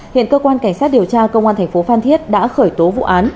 hiện cơ quan cảnh sát điều tra công an thành phố phan thiết đã khởi tố vụ án